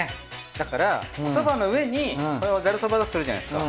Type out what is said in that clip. だからおそばの上にこれをざるそばだとするじゃないですか。